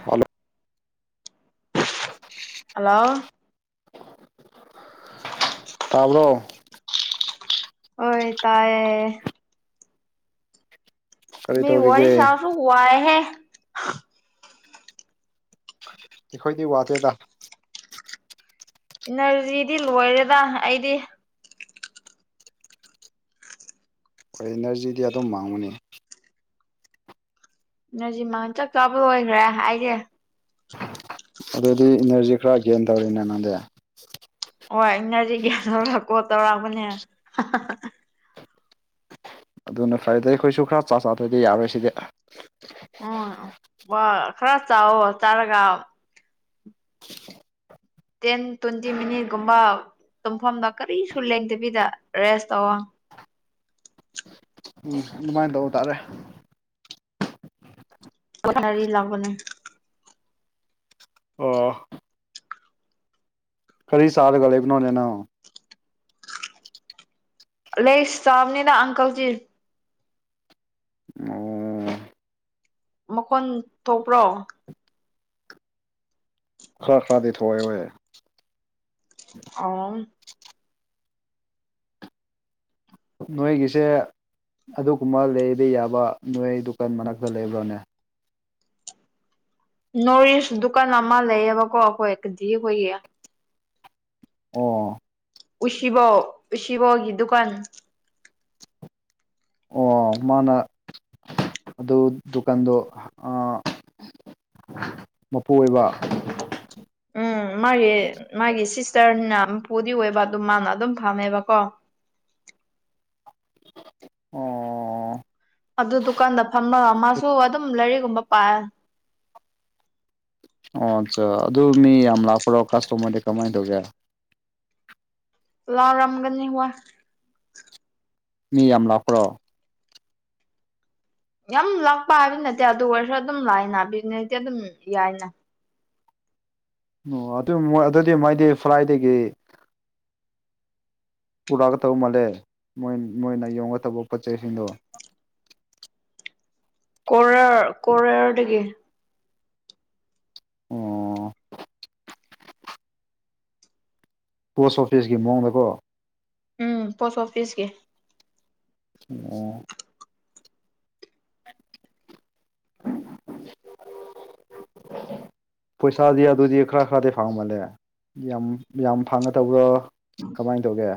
hello ꯍꯜꯂꯥꯎ [inaudible] ꯇꯥꯕ꯭ꯔꯣ ꯑꯣꯏ ꯇꯥꯌꯦ ꯀꯔꯤ ꯅꯣꯏ ꯋꯥꯔꯤ ꯇꯧꯔꯤꯒꯦ ꯁꯥꯕꯁꯨ ꯋꯥꯏꯍꯦ ꯑꯩꯈꯣꯏꯗꯤ ꯋꯥꯗꯦꯗꯥ ꯏꯅꯔꯖꯤꯗꯤ ꯂꯣꯏꯔꯦꯗ ꯑꯩꯗꯤ ꯈꯣꯏ ꯏꯅꯔꯖꯤꯗꯤ ꯑꯗꯨꯝ ꯃꯥꯡꯕꯅꯦ ꯏꯅꯔꯖꯤ ꯃꯥꯟ ꯆꯥꯛ ꯆꯥꯕ ꯂꯣꯏꯒ꯭ꯔꯦ ꯑꯩꯗꯤ ꯑꯗꯨꯗꯤ ꯏꯅꯔꯖꯤ ꯈꯔ ꯒꯦꯟ ꯇꯧꯔꯦꯅꯦ ꯅꯪꯗꯤ ꯑꯣꯏ ꯏꯅꯔꯖꯤ ꯒꯦꯟ ꯇꯧꯔ ꯀꯣꯜ ꯇꯧꯔꯛꯄꯅꯦ ꯑꯗꯨꯅ ꯐꯔꯦꯗꯥ ꯑꯩꯈꯣꯏꯁꯨ ꯈꯔ ꯆꯥ ꯆꯥꯗꯥꯗꯤ ꯌꯥꯔꯣꯏ ꯁꯤꯗꯤ ꯎꯝ ꯋꯥ ꯈꯔ ꯆꯥꯎꯑꯣ ꯆꯥꯔꯒ ꯇꯦꯟ ꯇꯨꯟꯇꯤ ꯃꯤꯅꯤꯠꯀꯨꯝꯕ ꯇꯨꯝꯐꯝꯗ ꯀꯔꯤꯁꯨ ꯂꯦꯡꯗꯕꯤꯗ ꯔꯦꯁ ꯇꯧꯑꯣ ꯎꯝ ꯑꯗꯨꯃꯥꯏꯟ ꯇꯧꯕ ꯇꯥꯔꯦ [unintelligible] ꯂꯥꯛꯄꯅꯦ ꯑꯣ ꯀꯔꯤ ꯆꯥꯔꯒ ꯂꯩꯕꯅꯣꯅꯦ ꯅꯪ ꯂꯦꯁ ꯆꯥꯕꯅꯤꯅ ꯑꯪꯀꯜꯆꯤꯞ ꯑꯣ ꯃꯈꯣꯟ ꯊꯣꯛꯄ꯭ꯔꯣ ꯈꯔ ꯈꯔꯗꯤ ꯊꯣꯛ ꯋꯦ ꯋꯦ ꯑꯣꯡ ꯅꯣꯏꯒꯤꯁꯦ ꯑꯗꯨꯒꯨꯝꯕ ꯂꯩꯕ ꯌꯥꯕ ꯅꯣꯏ ꯗꯨꯀꯥꯟ ꯃꯅꯥꯛꯇꯥ ꯂꯩꯕ꯭ꯔꯣꯅꯦ ꯅꯣꯔꯤꯁ ꯗꯨꯀꯥꯟ ꯑꯃ ꯂꯩꯌꯦꯕꯀꯣ ꯑꯈꯣꯏ ꯀꯟꯇꯤ ꯑꯩꯈꯣꯏꯒꯤ ꯑꯣ ꯎꯁꯤꯕꯧ ꯎꯁꯤꯕꯧꯒꯤ ꯗꯨꯀꯥꯟ ꯑꯣ ꯃꯥꯅ ꯑꯗꯨ ꯗꯨꯀꯥꯟꯗꯣ ꯑꯥ ꯃꯥꯄꯨ ꯑꯣꯏꯕꯥ ꯎꯝ ꯃꯥꯒꯤ ꯃꯥꯒꯤ ꯁꯤꯁꯇꯔꯅꯤꯅ ꯃꯄꯨꯗꯤ ꯑꯣꯏꯕ ꯑꯗꯨꯝ ꯃꯥꯅ ꯑꯗꯨꯝ ꯐꯝꯃꯦꯕꯀꯣ ꯑꯣ ꯑꯥꯗꯨ ꯗꯨꯀꯥꯟꯗ ꯐꯝꯃ ꯃꯥꯁꯨ ꯑꯗꯨꯝ ꯂꯥꯏꯔꯤꯛꯀꯨꯝꯕ ꯄꯥꯏ ꯑꯣ ꯑꯠꯆꯥ ꯑꯗꯨ ꯃꯤ ꯌꯥꯝ ꯂꯥꯛꯄ꯭ꯔꯣ ꯀꯥꯁꯇꯣꯃꯔꯗꯤ ꯀꯃꯥꯏ ꯇꯧꯒꯦ ꯂꯥꯛꯔꯝꯒꯥꯅꯤ ꯋꯥꯏ ꯃꯤ ꯌꯥꯝ ꯂꯥꯛꯄ꯭ꯔꯣ ꯌꯥꯝ ꯂꯥꯛꯄ ꯍꯥꯏꯕ ꯅꯠꯇꯦ ꯑꯗꯨꯑꯣꯏꯔꯁꯨ ꯑꯗꯨꯝ ꯂꯥꯛꯏꯅ ꯕꯤꯖ꯭ꯌꯨꯅꯦꯁꯇꯤ ꯑꯗꯨꯝ ꯌꯥꯏꯅ ꯑꯣ ꯑꯗꯨ ꯃꯣꯏ ꯑꯗꯨꯗꯤ ꯃꯣꯏꯗꯤ ꯐ꯭ꯂꯥꯏꯗꯦꯒꯤ ꯄꯨꯔꯥꯒ ꯇꯧ ꯃꯥꯜꯂꯦ ꯃꯣꯏ ꯃꯣꯏꯅ ꯌꯣꯡꯉꯣ ꯇꯧꯕ ꯄꯣꯠ ꯆꯩꯁꯤꯡꯗꯣ ꯀꯣꯔꯥꯔ ꯀꯣꯔꯥꯔꯗꯒꯤ ꯑꯣ ꯄꯣꯁ ꯑꯣꯐꯤꯁꯀꯤ ꯃꯑꯣꯡꯗꯥꯀꯣ ꯎꯝ ꯄꯣꯁ ꯑꯣꯐꯤꯁꯀꯤ ꯑꯣ [inaudible] ꯄꯩꯁꯥꯗꯤ ꯑꯗꯨꯗꯤ ꯈꯔ ꯈꯔꯗꯤ ꯐꯪꯃꯜꯂꯦ ꯌꯥꯝ ꯌꯥꯝ ꯐꯪꯒꯗꯧꯕ꯭ꯔꯣ ꯀꯃꯥꯏ ꯇꯧꯒꯦ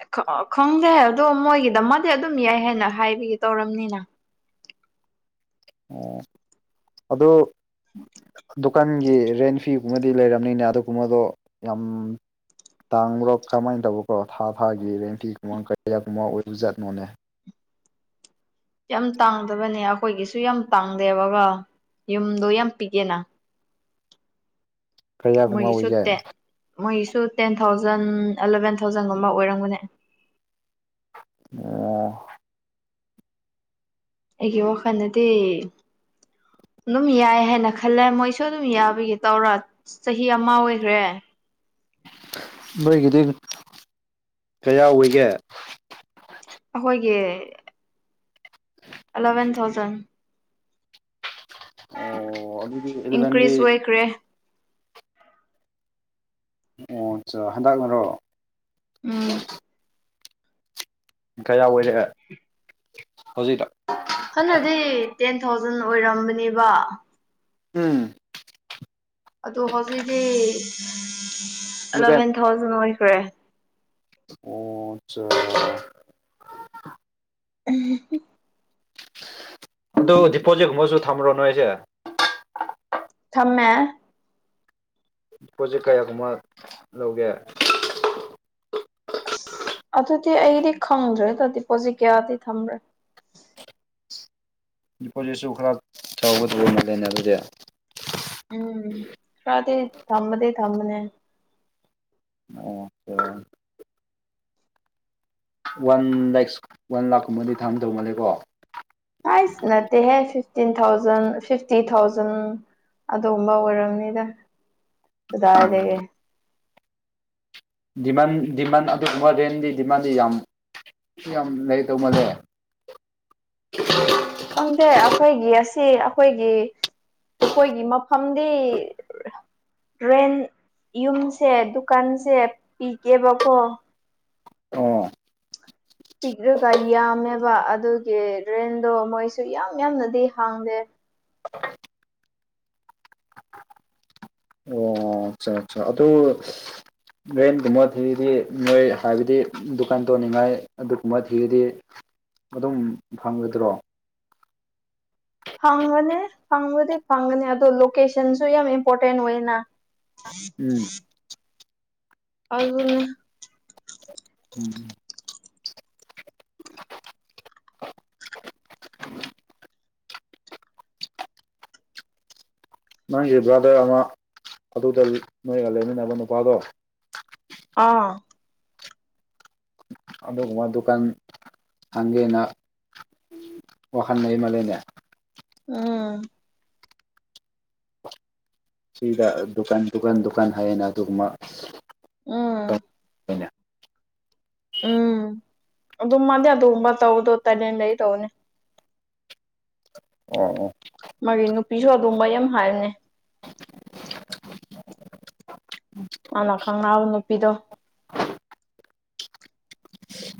ꯑꯦ ꯈꯥꯛ ꯑꯥ ꯈꯪꯗꯦ ꯑꯗꯣ ꯃꯣꯏꯒꯤꯗꯃꯛꯇꯤ ꯑꯗꯨꯝ ꯌꯥꯏ ꯍꯥꯏꯅ ꯍꯥꯏꯕꯤꯒꯦ ꯇꯧꯔꯝꯅꯤꯅ ꯑꯣ ꯑꯗꯣ ꯗꯨꯀꯥꯟꯒꯤ ꯔꯦꯟ ꯐꯤꯒꯨꯝꯕꯗꯤ ꯂꯩꯔꯝꯅꯤꯅ ꯑꯗꯨꯒꯨꯝꯕꯗꯣ ꯌꯥꯝ ꯇꯥꯡꯕ꯭ꯔꯣ ꯀꯃꯥꯏꯟ ꯇꯧꯕꯀꯣ ꯊꯥ ꯊꯥꯒꯤ ꯔꯦꯟ ꯐꯤ ꯑꯦꯃꯥꯎꯇ ꯀꯌꯥꯒꯨꯝꯕ ꯑꯣꯏꯔꯖꯥꯠꯅꯣꯅꯦ ꯌꯥꯝ ꯇꯥꯡꯗꯕꯅꯦ ꯑꯩꯈꯣꯏꯒꯤꯁꯨ ꯌꯥꯝ ꯇꯥꯡꯗꯦꯕꯀꯣ ꯌꯨꯝꯗꯣ ꯌꯥꯝ ꯄꯤꯛꯑꯦꯅ ꯀꯌꯥꯒꯨꯝꯕ ꯃꯣꯏꯒꯤꯁꯨ ꯑꯣꯏꯒꯦ ꯇꯦꯟ ꯃꯣꯏꯒꯤꯁꯨ ꯇꯦꯟ ꯊꯥꯎꯖꯟ ꯑꯦꯂꯦꯚꯦꯟ ꯊꯥꯎꯖꯟꯒꯨꯝꯕ ꯑꯣꯏꯔꯝꯒꯅꯦ ꯑꯣ ꯑꯩꯒꯤ ꯋꯥꯈꯜꯗꯗꯤ ꯑꯗꯨꯝ ꯌꯥꯏ ꯍꯥꯏꯅ ꯈꯜꯂꯦ ꯃꯣꯏꯁꯨ ꯑꯗꯨꯝ ꯌꯥꯕꯒꯤ ꯇꯧꯔ ꯆꯍꯤ ꯑꯃ ꯑꯣꯏꯈ꯭ꯔꯦ ꯅꯣꯏꯒꯤꯗꯤ ꯀꯌꯥ ꯑꯣꯏꯒꯦ ꯑꯈꯣꯏꯒꯤ ꯑꯦꯂꯦꯚꯦꯟ ꯊꯥꯎꯖꯟ ꯑꯣ ꯑꯗꯨꯗꯤ ꯑꯦꯂꯦꯚꯦꯟꯗꯤ ꯏꯟꯀ꯭ꯔꯤꯖ ꯑꯣꯏꯈ꯭ꯔꯦ ꯑꯣ ꯑꯆꯥ ꯍꯟꯗꯛꯅꯔꯣ ꯎꯝ ꯀꯌꯥ ꯑꯣꯏꯔꯦ ꯍꯧꯖꯤꯛꯇ ꯍꯥꯟꯅꯗꯤ ꯇꯦꯟ ꯊꯥꯎꯖꯟ ꯑꯣꯏꯔꯝꯕꯅꯦꯕ ꯎꯝ ꯑꯗꯣ ꯍꯧꯖꯤꯛꯇꯤ ꯏꯂꯚꯦꯟ ꯑꯦꯂꯦꯚꯦꯟ ꯊꯥꯎꯖꯟ ꯑꯣꯏꯈ꯭ꯔꯦ ꯑꯣ ꯑꯆꯥ ꯎꯝ ꯍꯝ ꯑꯗꯨ ꯗꯤꯄꯣꯖꯤꯠꯀꯨꯝꯕꯖꯨ ꯊꯝꯕ꯭ꯔꯣ ꯅꯣꯏꯁꯦ ꯊꯝꯃꯦ ꯗꯤꯄꯣꯖꯤꯠ ꯀꯌꯥꯒꯨꯝꯕ ꯂꯧꯒꯦ ꯑꯁ ꯑꯗꯨꯗꯤ ꯑꯩꯗꯤ ꯈꯪꯗ꯭ꯔꯦꯗ ꯗꯤꯄꯣꯠꯖꯤꯠ ꯀꯌꯥꯗꯤ ꯊꯝꯕ꯭ꯔꯥ ꯗꯤꯄꯣꯖꯤꯠꯁꯨ ꯈꯔ ꯆꯥꯎꯒꯗꯧꯕ ꯃꯥꯜꯂꯦꯅꯦ ꯑꯗꯨꯗꯤ ꯎꯝ ꯈ꯭ꯔꯗꯤ ꯊꯝꯕꯗꯤ ꯊꯝꯕꯅꯦ ꯑꯣ ꯋꯥꯟ ꯂꯦꯛꯁ ꯋꯥꯟ ꯂꯥꯛꯀꯨꯝꯕꯗꯤ ꯊꯥꯝꯗꯧꯃꯜꯂꯦꯀꯣ ꯥꯍꯥꯏꯁ ꯅꯠꯇꯦꯍꯦ ꯐꯤꯐꯇꯤꯟ ꯊꯥꯎꯖꯟ ꯐꯤꯐꯇꯤ ꯊꯥꯎꯖꯟ ꯑꯗꯨꯒꯨꯝꯕ ꯑꯣꯏꯔꯝꯅꯤꯗ ꯀꯗꯥꯏꯗꯒꯤ ꯗꯤꯃꯥꯟ ꯗꯤꯃꯥꯟ ꯑꯗꯨꯒꯨꯝꯕ ꯔꯦꯟꯗꯤ ꯗꯤꯃꯥꯟꯗꯤ ꯌꯥꯝ ꯌꯥꯝ ꯂꯩꯗꯧ ꯃꯥꯜꯂꯦ ꯈꯪꯗꯦ ꯑꯩꯈꯣꯏꯒꯤ ꯑꯁꯤ ꯑꯩꯈꯣꯏꯒꯤ ꯑꯩꯈꯣꯏꯒꯤ ꯃꯐꯝꯗꯤ ꯔꯦꯟ ꯌꯨꯝꯁꯦ ꯗꯨꯀꯥꯟꯁꯦ ꯄꯤꯛꯑꯦꯕꯀꯣ ꯑꯣ ꯄꯤꯛꯂꯒ ꯌꯥꯝꯃꯦꯕ ꯑꯗꯨꯒꯤ ꯔꯦꯟꯗꯣ ꯃꯣꯏꯁꯨ ꯌꯥꯝ ꯌꯥꯝꯅꯗꯤ ꯍꯪꯗꯦ ꯑꯆꯥ ꯆꯥ ꯑꯗꯣ ꯁꯁ ꯔꯦꯟꯒꯨꯝꯕ ꯊꯤꯔꯗꯤ ꯅꯣꯏ ꯍꯥꯏꯕꯗꯤ ꯗꯨꯀꯥꯟ ꯇꯧꯅꯤꯡꯉꯥꯏ ꯑꯗꯨꯒꯨꯝꯕ ꯊꯤꯔꯗꯤ ꯑꯗꯨꯝ ꯐꯪꯒꯗ꯭ꯔꯣ ꯐꯪꯒꯅꯤ ꯐꯪꯕꯗꯤ ꯐꯪꯒꯅꯤ ꯑꯗꯣ ꯂꯣꯀꯦꯁꯟꯁꯨ ꯌꯥꯝ ꯏꯝꯄꯣꯔꯇꯦꯟ ꯑꯣꯏꯌꯦꯅ ꯎꯝ [inaudible] ꯑꯗꯨꯅꯦ ꯎꯝ ꯅꯪꯒꯤ ꯕ꯭ꯔꯥꯗꯔ ꯑꯃ ꯑꯗꯨꯗ ꯅꯣꯏꯒ ꯂꯩꯃꯤꯟꯅꯕ ꯅꯨꯄꯥꯗꯣ ꯑꯥ ꯑꯗꯨꯒꯨꯝꯕ ꯗꯨꯀꯥꯟ ꯍꯥꯡꯒꯦꯅ ꯋꯥꯈꯜ ꯂꯩꯃꯜꯂꯦꯅꯦ ꯎꯝ ꯁꯤꯗ ꯗꯨꯀꯥꯟ ꯗꯨꯀꯥꯟ ꯗꯨꯀꯥꯟ ꯍꯥꯏꯌꯦꯅ ꯑꯗꯨꯒꯨꯝꯕ ꯎꯝ ꯂꯩꯅꯦ ꯎꯝ ꯑꯗꯨꯝ ꯑꯗꯨꯒꯨꯝꯕ ꯇꯧꯗꯣ ꯇꯜꯂꯦꯟ ꯂꯩ ꯇꯧꯅꯦ ꯎꯝ ꯎꯝ ꯃꯔꯤꯡ ꯅꯨꯄꯤꯁꯨ ꯑꯗꯨꯝ ꯌꯥꯝ ꯍꯥꯏꯕꯅꯦ ꯃꯥꯅ ꯈꯪꯅꯕ ꯅꯨꯄꯤꯗꯣ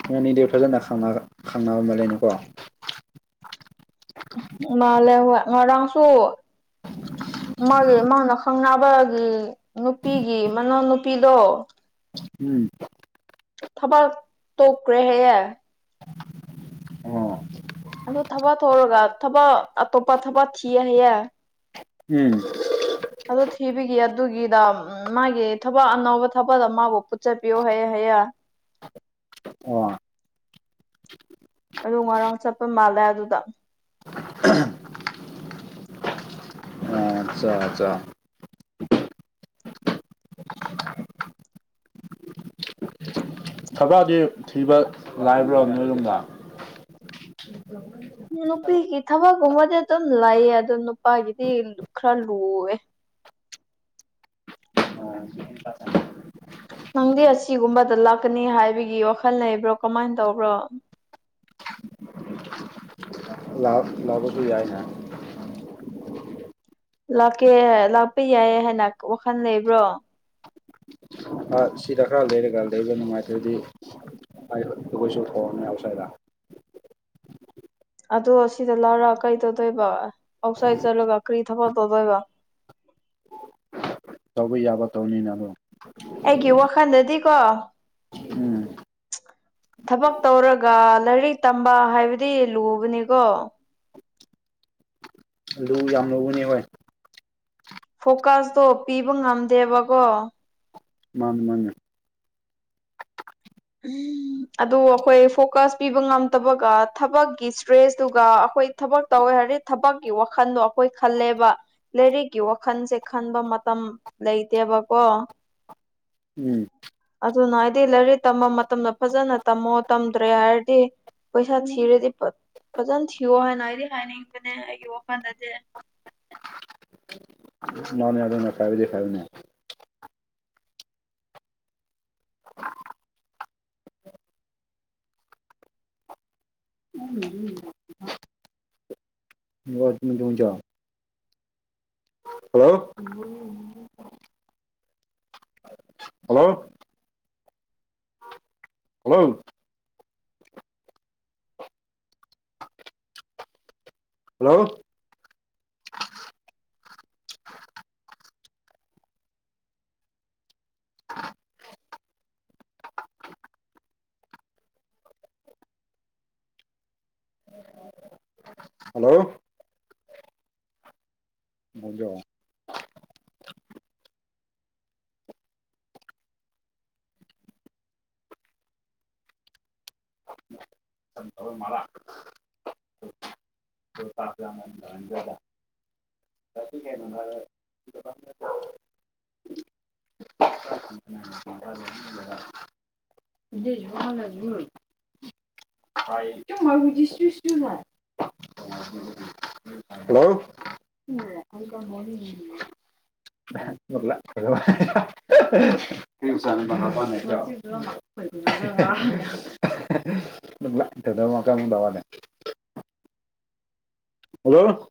ꯃꯣꯢ ꯑꯅꯤꯗꯤ ꯐꯖꯅ ꯈꯪꯅꯔ ꯈꯪꯅꯕ ꯃꯥꯜꯂꯦꯅꯦꯀꯣ ꯃꯥꯜꯂꯦ ꯍꯣꯏ ꯉꯔꯥꯡꯁꯨ ꯃꯥꯒꯤ ꯃꯥꯅ ꯈꯪꯅꯕꯒꯤ ꯅꯨꯄꯤꯒꯤ ꯃꯅꯥꯎ ꯅꯨꯨꯄꯤꯗꯣ ꯎꯝ ꯊꯕꯛ ꯇꯣꯛꯈ꯭ꯔꯦ ꯍꯥꯏꯌꯦ ꯑꯣ ꯑꯗꯣ ꯊꯕꯛ ꯇꯣꯛꯔꯒ ꯊꯕꯛ ꯑꯇꯣꯞꯄ ꯊꯕꯛ ꯊꯤꯌꯦ ꯍꯥꯏꯌꯦ ꯎꯝ ꯑꯗꯨ ꯊꯤꯕꯤꯒꯤ ꯑꯗꯨꯒꯤꯗ ꯑꯝ ꯃꯥꯒꯤ ꯊꯕꯛ ꯑꯅꯧꯕ ꯊꯕꯛ ꯑꯃꯕꯨ ꯄꯨꯠꯆꯠꯄꯤꯌꯨ ꯍꯥꯏꯌꯦ ꯍꯥꯏꯌꯦ ꯑꯣ ꯑꯗꯨ ꯉꯔꯥꯡ ꯆꯠꯄ ꯃꯥꯜꯗꯥ ꯑꯗꯨꯗ [inaudible] ꯊꯕꯛꯗꯤ ꯊꯤꯕ ꯂꯥꯏꯕ꯭ꯔꯥ ꯅꯣꯏꯔꯣꯝꯗ [inaudible] ꯅꯨꯄꯤꯒꯤ ꯊꯕꯛꯀꯨꯝꯕꯗꯤ ꯑꯗꯨꯝ ꯂꯩꯌꯦ ꯑꯗꯣ ꯅꯨꯄꯥꯒꯤꯗꯤ ꯈꯔ ꯂꯨꯑꯦ ꯑꯣ ꯅꯪꯗꯤ ꯑꯁꯤꯒꯨꯝꯕꯗ ꯂꯥꯛꯀꯅꯤ ꯍꯥꯏꯕꯒꯤ ꯋꯥꯈꯜ ꯂꯩꯕ꯭ꯔꯣ ꯀꯃꯥꯏ ꯇꯧꯕ꯭ꯔꯣ ꯂꯥꯛ ꯂꯥꯛꯄꯁꯨ ꯌꯥꯏꯅ ꯂꯥꯛꯀꯦ ꯂꯥꯛꯄ ꯌꯥꯏ ꯍꯥꯏꯅ ꯋꯥꯈꯜ ꯂꯩꯕ꯭ꯔꯣ ꯁꯤꯗ ꯈꯔ ꯂꯩꯔꯒ ꯂꯩꯕ ꯅꯨꯡꯉꯥꯏꯇ꯭ꯔꯗꯤ ꯑꯩꯈꯣꯏꯁꯨ ꯊꯣꯔꯅꯤ ꯑꯥꯎꯠꯁꯥꯏꯠꯗ ꯑꯗꯣ ꯁꯤꯗ ꯂꯥꯛꯔ ꯀꯩ ꯇꯧꯗꯣꯏꯕ ꯑꯥꯎꯠꯁꯥꯏꯠ ꯆꯠꯂꯒ ꯀꯔꯤ ꯊꯕꯛ ꯇꯧꯗꯣꯏꯕ ꯇꯧꯕ ꯌꯥꯕ ꯇꯧꯅꯤꯅ ꯑꯗꯨꯝ ꯑꯩꯒꯤ ꯋꯥꯈꯟꯗꯗꯤꯀꯣ ꯎꯝ ꯊꯕꯛ ꯇꯧꯔꯒ ꯂꯥꯏꯔꯤꯛ ꯇꯝꯕ ꯍꯥꯏꯕꯗꯤ ꯂꯨꯕꯅꯤꯀꯣ ꯑꯗꯨ ꯌꯥꯝ ꯂꯧꯕꯅꯤ ꯍꯣꯏ ꯐꯣꯀꯁꯇꯣ ꯄꯤꯕ ꯉꯝꯗꯦꯕꯀꯣ ꯃꯥꯅꯦ ꯃꯥꯅꯦ [inaudible] ꯑꯗꯨ ꯑꯩꯈꯣꯏ ꯐꯣꯀꯁ ꯄꯤꯕ ꯉꯝꯇꯕꯒ ꯊꯕꯛꯀꯤ ꯏꯁꯇ꯭ꯔꯦꯁꯇꯨꯒ ꯑꯩꯈꯣꯏ ꯊꯕꯛ ꯇꯧꯋꯦ ꯍꯥꯏꯔꯗꯤ ꯊꯕꯛꯀꯤ ꯋꯥꯈꯟꯗꯣ ꯑꯩꯈꯣꯏ ꯈꯜꯂꯦꯕ ꯂꯥꯏꯔꯤꯛꯀꯤ ꯋꯥꯈꯟꯁꯦ ꯈꯟꯕ ꯃꯇꯝ ꯂꯩꯇꯦꯕꯀꯣ ꯎꯝ ꯑꯗꯨꯅ ꯑꯥꯏꯗꯤ ꯂꯥꯏꯔꯤꯛ ꯇꯝꯕ ꯃꯇꯝꯗ ꯐꯖꯅ ꯇꯝꯃꯣ ꯇꯝꯗ꯭ꯔꯦ ꯍꯥꯏꯔꯗꯤ ꯄꯩꯁꯥ ꯊꯤꯔꯗꯤ ꯐꯠ ꯐꯖꯅ ꯊꯤꯌꯣ ꯍꯥꯏꯅ ꯑꯩꯗꯤ ꯍꯥꯏꯅꯤꯡꯕꯅꯦ ꯑꯩꯒꯤ ꯋꯥꯈꯟꯗꯗꯤ [unintelligible] [unintelligible] hello hello hello hello hello hello [unintelligible] [unintelligible] ꯅꯪ [unintelligible] ꯍꯜꯂꯣ